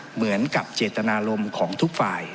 เหมือนกับเจตนารมณ์ของทุกฝ่าย